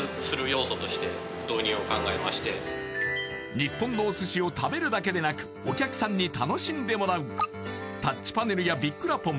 日本のお寿司を食べるだけでなくお客さんに楽しんでもらうタッチパネルやビッくらポン